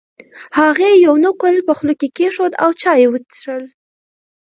هغې یو نقل په خوله کې کېښود او چای یې وڅښل.